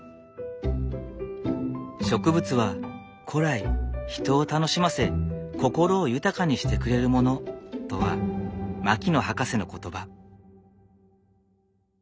「植物は古来人を楽しませ心を豊かにしてくれるもの」とは牧野博士の言葉。